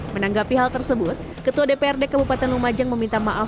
menanggapi hal tersebut ketua dprd kabupaten lumajang meminta maaf